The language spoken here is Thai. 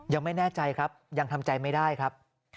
ยังไม่แน่ใจครับยังทำใจไม่ได้ครับ